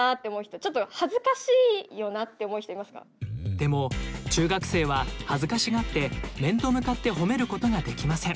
でも中学生は恥ずかしがって面と向かってほめることができません。